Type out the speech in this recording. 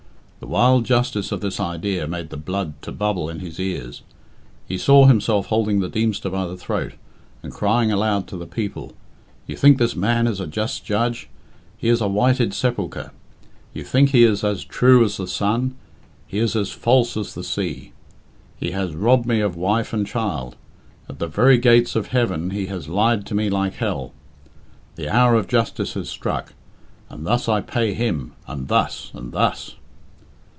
The wild justice of this idea made the blood to bubble in his ears. He saw himself holding the Deemster by the throat, and crying aloud to the people, "You think this man is a just judge he is a whited sepulchre. You think he is as true as the sun he is as false as the sea. He has robbed me of wife and child; at the very gates of heaven he has lied to me like hell. The hour of justice has struck, and thus I pay him and thus and thus."